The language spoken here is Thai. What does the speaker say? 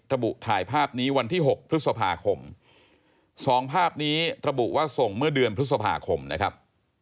ระบุถ่ายภาพนี้วันที่๖พฤษภาคม๒ภาพนี้ระบุว่าส่งเมื่อเดือนพฤษภาคมนะครับ